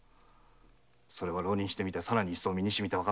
それは浪人してみてさらに一層身にしみた。